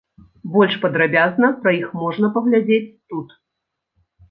Больш падрабязна пра іх можна паглядзець тут.